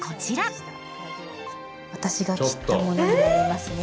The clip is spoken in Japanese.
私が切ったものになりますね。